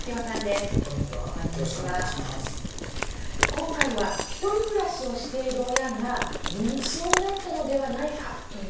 今回はひとり暮らしをしている親が認知症になったのではないかという場合なんですが。